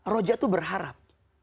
roja itu berharap